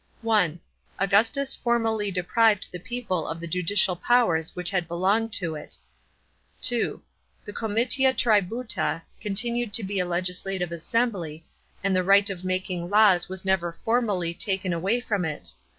(1) Augustus formally deprived the people of the judicial powers which had belonged to it. (2) The comitia tributa continued to be a legislative assembly, and the right of making laws was never formally taken away from it.